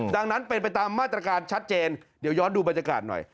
ดังนั้นเป็นไปตามมาตรการชัดเจนเดี๋ยวย้อนดูบรรยากาศหน่อย